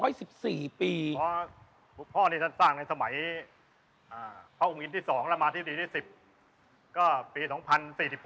ข้อที่ฉันสร้างในสมัยพระองค์อินทร์ที่สองและมาที่สุดทีที่สิบ